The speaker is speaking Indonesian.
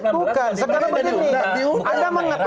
bukan sekarang begini